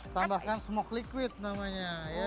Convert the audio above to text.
tambahkan smoke liquid namanya